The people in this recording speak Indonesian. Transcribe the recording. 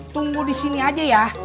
tunggu di sini aja ya